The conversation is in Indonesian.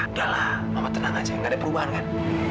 udah lah mama tenang aja nggak ada perubahan kan